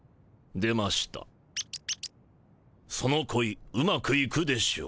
その恋うまくいくでしょう。